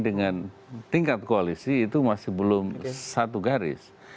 dengan tingkat koalisi itu masih belum satu garis